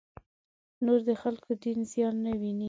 نور د خلکو دین زیان نه وویني.